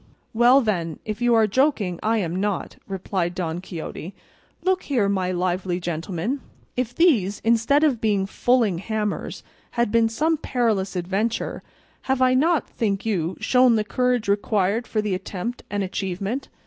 "Well, then, if you are joking I am not," replied Don Quixote. "Look here, my lively gentleman, if these, instead of being fulling hammers, had been some perilous adventure, have I not, think you, shown the courage required for the attempt and achievement?